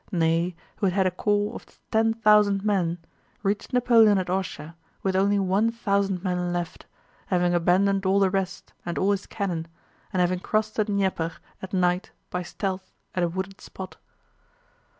Ney, who had had a corps of ten thousand men, reached Napoleon at Orshá with only one thousand men left, having abandoned all the rest and all his cannon, and having crossed the Dnieper at night by stealth at a wooded spot.